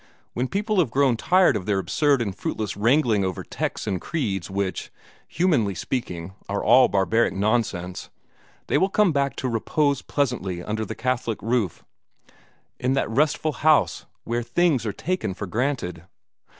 When people have grown tired of their absurd and fruitless wrangling over texts and creeds which, humanly speaking, are all barbaric nonsense, they will come back to repose pleasantly under the Catholic roof, in that restful house where things are taken for granted.